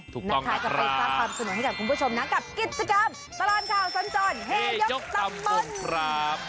ที่ส่งเสริมชุมชนดีแบบนี้ค่ะ